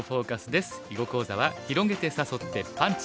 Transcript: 囲碁講座は「広げて誘ってパンチ！」。